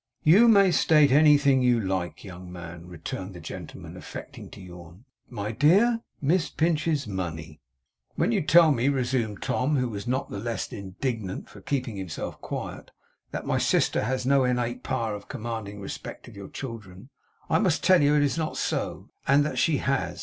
'You may state anything you like, young man,' returned the gentleman, affecting to yawn. 'My dear, Miss Pinch's money.' 'When you tell me,' resumed Tom, who was not the less indignant for keeping himself quiet, 'that my sister has no innate power of commanding the respect of your children, I must tell you it is not so; and that she has.